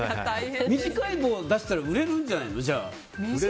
短い棒を出したら売れるんじゃないの？